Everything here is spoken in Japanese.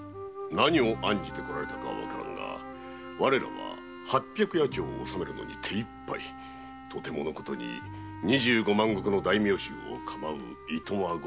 何を案じて来られたかわからんが我らは八百八町を治めるのが手いっぱいとてものことに二十五万石の大名衆をかまういとまはござらん。